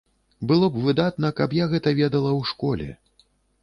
Было б выдатна, каб я гэта ведала ў школе.